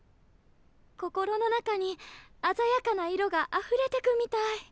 心の中にあざやかな色があふれてくみたい。